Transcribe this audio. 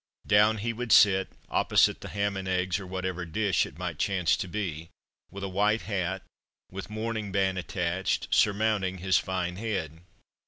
Down he would sit, opposite the ham and eggs or whatever dish it might chance to be with a white hat, with mourning band attached, surmounting his fine head.